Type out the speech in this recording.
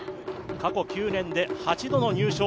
過去９年で８度の入賞。